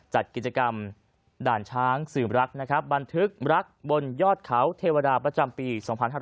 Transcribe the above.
จัดกิจกรรมด่านช้างสืบรักนะครับบันทึกรักบนยอดเขาเทวดาประจำปี๒๕๕๙